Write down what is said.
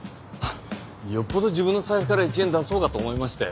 よっぽど自分の財布から１円出そうかと思いましたよ。